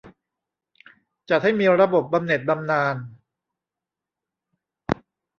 จัดให้มีระบบบำเหน็จบำนาญ